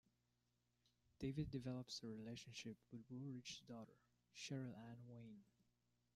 David develops a relationship with Woolridge's daughter, Cheryl Ann Wayne.